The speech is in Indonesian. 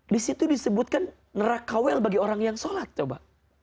di situ disebutkan nerakawel bagi orang yang sholat coba